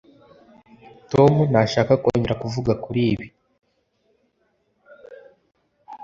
tom ntashaka kongera kuvuga kuri ibi